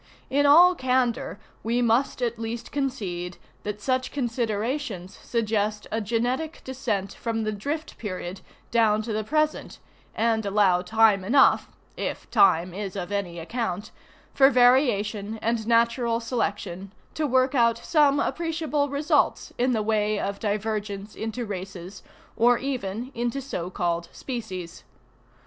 In all candor we must at least concede that such considerations suggest a genetic descent from the drift period down to the present, and allow time enoughŌĆö if time is of any accountŌĆö for variation and natural selection to work out some appreciable results in the way of divergence into races or even into so called species.